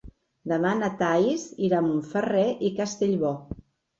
Demà na Thaís irà a Montferrer i Castellbò.